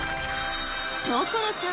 所さん